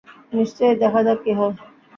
নিশ্চয়ই, দেখা যাক কী হয়।